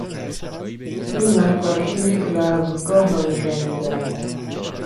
این نقاشی یک رزمگاه را نشان میدهد.